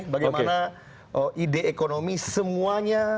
bagaimana ide ekonomi semuanya